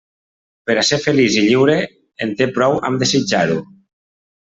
Per a ser feliç i lliure, en té prou amb desitjar-ho.